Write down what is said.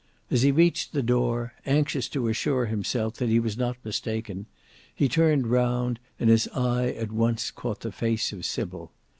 As he reached the door, anxious to assure himself that he was not mistaken, he turned round and his eye at once caught the face of Sybil.